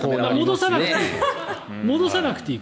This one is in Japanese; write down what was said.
戻さなくていい。